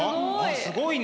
すごいね。